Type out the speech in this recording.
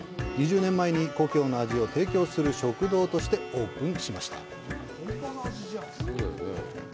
２０年前に、故郷の味を提供する食堂としてオープンしました。